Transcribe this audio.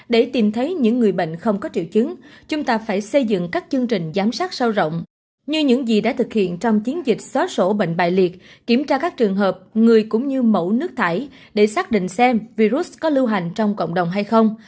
để tìm thấy những người bệnh không có triệu chứng chúng ta phải xây dựng các chương trình giám sát sâu rộng như những gì đã thực hiện trong chiến dịch xóa sổ bệnh bài liệt kiểm tra các trường hợp người cũng như mẫu nước thải để xác định xem virus có lưu hành trong cộng đồng hay không